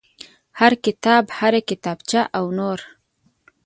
هر کتاب هر کتابچه او نور.